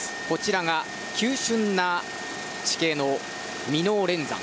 こちらが急峻な地形の箕面連山。